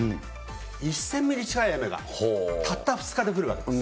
１０００ミリ近い雨がたった２日で降るわけです。